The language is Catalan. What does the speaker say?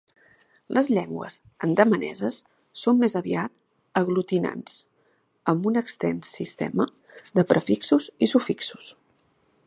Les llengües andamaneses són més aviat aglutinants, amb un extens sistema de prefixos i sufixos.